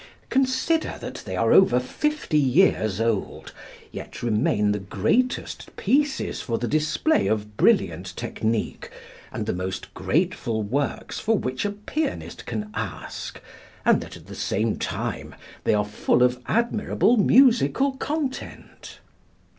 Consider that they are over fifty years old, yet remain the greatest pieces for the display of brilliant technique and the most grateful works for which a pianist can ask, and that at the same time they are full of admirable musical content!